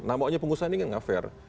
nah maunya pengusaha ini kan gak fair